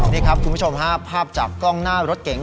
นี่ครับคุณผู้ชมฮะภาพจากกล้องหน้ารถเก๋ง